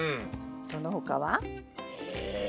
その他は？え？